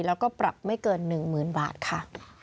แล้วก็ปรับไม่เกิน๑๐๐๐บาทค่ะ